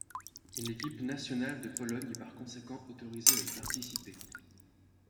Une équipe nationale de Pologne est par conséquent autorisée à y participer.